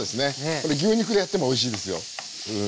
これ牛肉でやってもおいしいですようん。